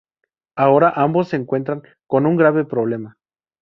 Ahora, ambos se encuentran con un grave problema.